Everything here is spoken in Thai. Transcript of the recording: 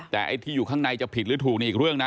แต่ไอ้ที่อยู่ข้างในจะผิดหรือถูกนี่อีกเรื่องนะ